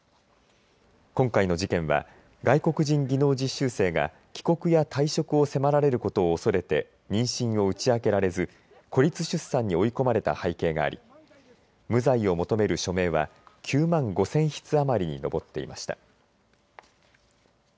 今回の事件は外国人技能実習生が帰国や退職を迫られることを恐れて妊娠を打ち明けられず孤立出産に追い込まれた背景があり無罪を求める署名は９万５０００筆余りに上っていました。